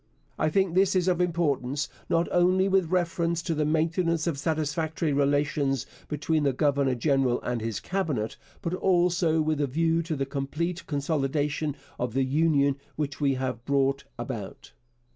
I think this is of importance, not only with reference to the maintenance of satisfactory relations between the Governor General and his Cabinet, but also with a view to the complete consolidation of the Union which we have brought about.